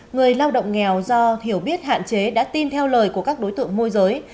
người lao động nghèo do hiểu biết hạn chế đã tin theo lời của các đối tượng môi giới